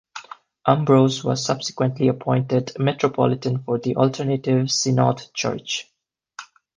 Ambrose was subsequently appointed Metropolitan for the Alternative Synod church.